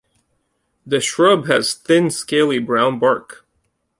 The shrub has thin scaly brown bark.